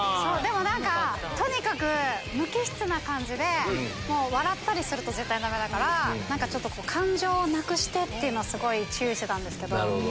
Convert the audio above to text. とにかく無機質な感じで笑ったりすると絶対ダメだから感情をなくしてっていうのはすごい注意してたんですけど。